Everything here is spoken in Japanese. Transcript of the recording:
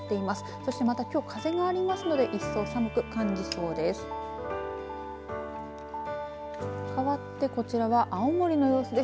そして、またきょう風がありますので一層、寒く感じそうです。